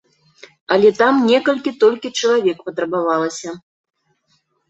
Але там некалькі толькі чалавек патрабавалася.